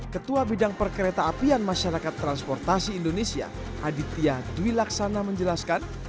ketua bidang perkereta apian masyarakat transportasi indonesia aditya dwi laksana menjelaskan